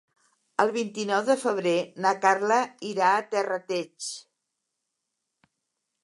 El vint-i-nou de febrer na Carla irà a Terrateig.